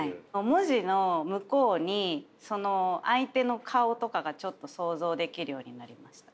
文字の向こうにその相手の顔とかがちょっと想像できるようになりました。